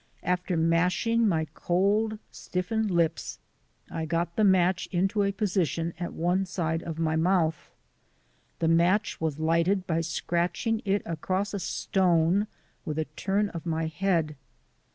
After mashing my cold, stiffened lips, I got the match into position at one side of my mouth. The match was lighted by scratching it across a stone with a turn of my head.